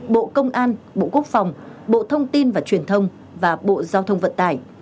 bộ công an bộ quốc phòng bộ thông tin và truyền thông và bộ giao thông vận tải